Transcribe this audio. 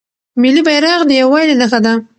ملي بیرغ د یووالي نښه ده.